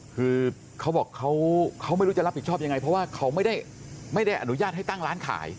คือเขาบอกเขาไม่รู้จะรับผิดชอบยังไงเพราะว่าเขาไม่ได้อนุญาตให้ตั้งร้านขาย